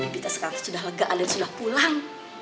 tapi kita sekarang sudah lega dan sudah pulang